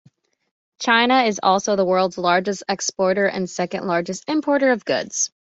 China is also the world's largest exporter and second-largest importer of goods.